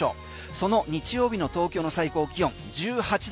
その日曜日の東京の最高気温１８度。